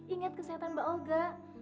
ingat kesehatan mbak olga